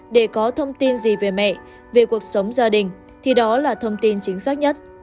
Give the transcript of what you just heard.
để có thông tin gì về mẹ về cuộc sống gia đình thì đó là thông tin chính xác nhất